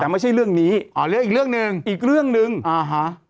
แต่ไม่ใช่เรื่องนี้อ่าเรื่องอีกเรื่องหนึ่งอีกเรื่องหนึ่งอ่าฮะ